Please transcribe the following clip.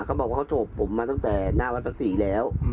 เขาบอกว่าเขาโจทย์ผมมาตั้งแต่หน้าวันศักดิ์ศรีแล้ว